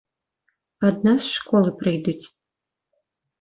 Ад нас з школы прыйдуць.